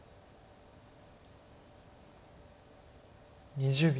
２０秒。